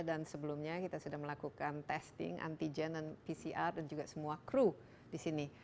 dan sebelumnya kita sudah melakukan testing antigen dan pcr dan juga semua kru di sini